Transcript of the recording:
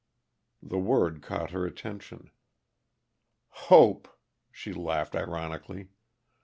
The word caught her attention. "Hope!" she laughed ironically.